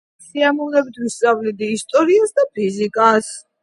სიამოვნებით ვისწავლიდი ისტორიას და ფიზიკას